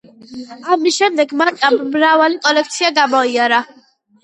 ამის შემდეგ მარკამ მრავალი კოლექცია გამოიარა.